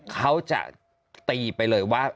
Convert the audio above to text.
เขาจะตีไปเลยว่า